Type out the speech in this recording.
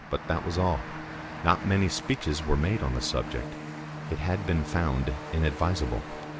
But that was all. Not many speeches were made on the subject; it had been found inadvisable.